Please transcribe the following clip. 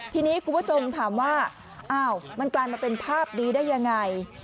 ทีนี้คุณผู้ชมถามว่าอ้าวมันกลายมาเป็นภาพนี้ได้ยังไง